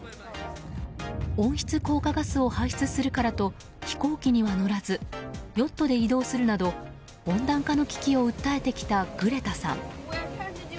温室効果ガスを排出するからと飛行機には乗らずヨットで移動するなど温暖化の危機を訴えてきたグレタさん。